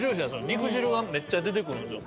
肉汁がめっちゃ出てくるんですよ。